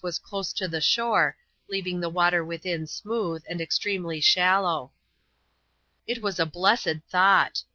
ltl was close to the shore, leavixig the water within smooth, and extremely shallow. It was a blessed thought